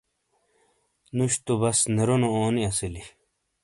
نوش تو بس نرونو اونی اسیلی۔